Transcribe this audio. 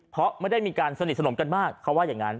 เพราะไม่ได้มีการสนิทสนมกันมากเขาว่าอย่างนั้น